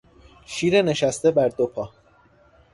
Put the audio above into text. شیر نشسته بر دو پا